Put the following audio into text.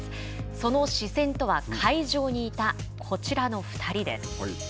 その視線とは会場にいたこちらの２人です。